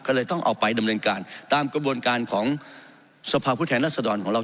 ก็เลยต้องเอาไปดำเนินการตามกระบวนการของสภาพผู้แทนรัศดรของเรา